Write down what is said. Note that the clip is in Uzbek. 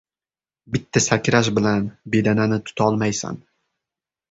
• Bitta sakrash bilan bedanani tutolmaysan.